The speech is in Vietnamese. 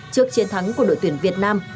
trước chiến thắng của đội tuyển việt nam